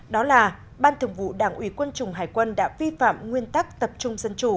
đó là ban thường vụ đảng ủy quân chủng hải quân đã vi phạm nguyên tắc tập trung dân chủ